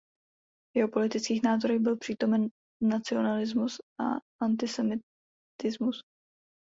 V jeho politických názorech byl přítomen nacionalismus a antisemitismus.